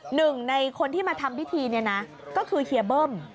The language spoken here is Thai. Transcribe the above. หนึ่งในคนที่มาทำพิธีเนี่ยนะก็คือเฮียเบิ้ม